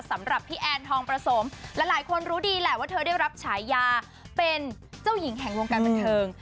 สำหรับพี่แอนทองประสมหลายคนรู้ดีแหละว่าเธอได้รับฉายาเป็นเจ้าหญิงแห่งวงการบันเทิง